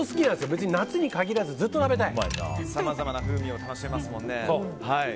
別に夏に限らずさまざまな風味を楽しめますもんね。